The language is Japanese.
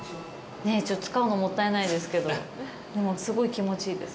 ちょっと使うの、もったいないですけど、でも、すごい気持ちいいです。